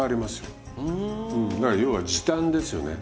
だから要は時短ですよね。